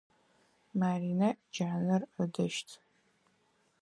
Марина джанэр ыдыщт.